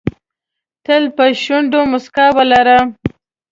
تل په شونډو موسکا ولره .